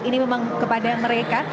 ini memang kepada mereka